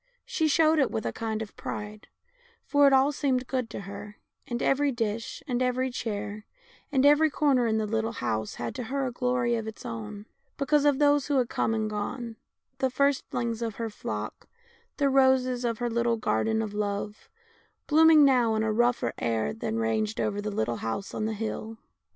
192 THE LANE THAT HAD NO TURNING She showed it with a kind of pride, for it all seemed good to her, and every dish, and every chair, and every corner in the little house had to her a glory of its own, because of those who had come and gone — the first lings of her flock, the roses of her little garden of love, blooming now in a rougher air than ranged over the little house on the hill.